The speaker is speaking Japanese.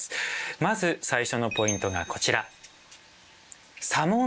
まず最初のポイントがこちら。